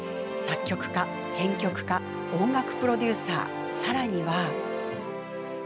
作曲家、編曲家音楽プロデューサー、さらには。